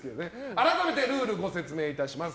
改めてルールをご説明します。